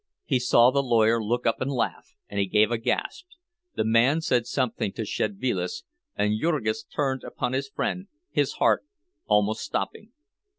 He saw the lawyer look up and laugh, and he gave a gasp; the man said something to Szedvilas, and Jurgis turned upon his friend, his heart almost stopping.